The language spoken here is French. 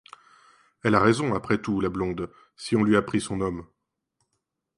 Elle a raison, après tout, la blonde, si on lui a pris son homme !